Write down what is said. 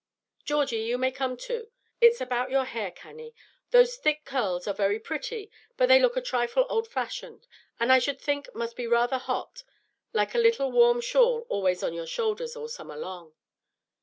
Georgie, you may come too. It's about your hair, Cannie. Those thick curls are very pretty, but they look a trifle old fashioned, and I should think must be rather hot, like a little warm shawl always on your shoulders all summer long."